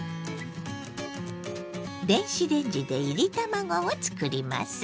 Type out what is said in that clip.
電子レンジでいり卵を作ります。